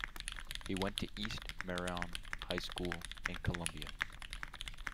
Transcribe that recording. He went to East Marion High School in Columbia.